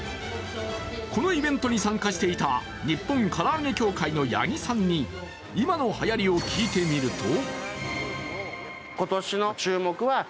このイベントに参加していた日本唐揚協会の八木さんに、今のはやりを聞いてみると？